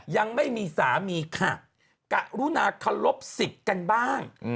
ยังไม่มีสามีค่ะกะรุนาเคารพสิทธิ์กันบ้าง